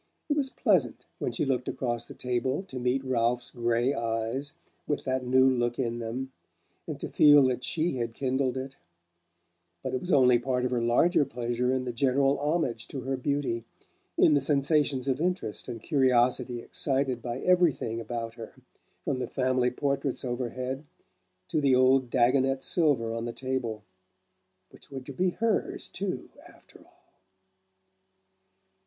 It was pleasant, when she looked across the table, to meet Ralph's grey eyes, with that new look in them, and to feel that she had kindled it; but I it was only part of her larger pleasure in the general homage to her beauty, in the sensations of interest and curiosity excited by everything about her, from the family portraits overhead to the old Dagonet silver on the table which were to be hers too, after all!